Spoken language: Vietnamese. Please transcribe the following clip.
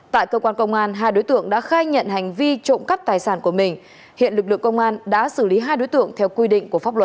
tại cơ quan công an hai đối tượng đã khai nhận hành vi trộm cắp tài sản của mình hiện lực lượng công an đã xử lý hai đối tượng theo quy định của pháp luật